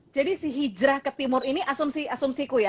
jadi si hijrah ke timur ini asumsiku ya